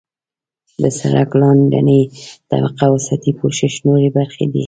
د سرک لاندنۍ طبقه او سطحي پوښښ نورې برخې دي